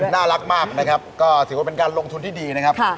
น่ารักมากนะครับก็ถือว่าเป็นการลงทุนที่ดีนะครับ